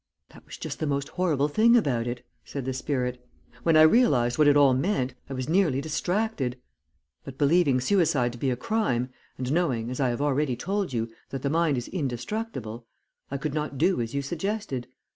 "That was just the most horrible thing about it," said the spirit. "When I realized what it all meant, I was nearly distracted; but believing suicide to be a crime, and knowing, as I have already told you, that the mind is indestructible, I could not do as you suggested.